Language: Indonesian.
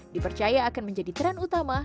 dipercaya akan menjadi tren utama